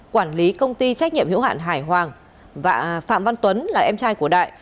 quản lý công ty trách nhiệm hữu hạn hải hoàng và phạm văn tuấn là em trai của đại